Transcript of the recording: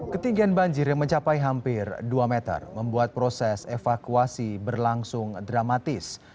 ketinggian banjir yang mencapai hampir dua meter membuat proses evakuasi berlangsung dramatis